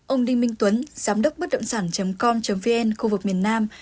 ông đinh minh tuấn giám đốc bất động sản com vn khu vực miền nam